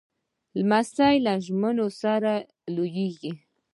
لمسی له ژمنو سره لویېږي.